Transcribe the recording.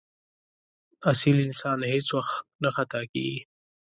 اصیل انسان هېڅ وخت نه خطا کېږي.